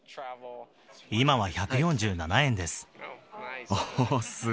今は１４７円です。